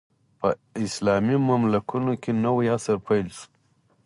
په اسلامي ملکونو کې نوی عصر پیل شو.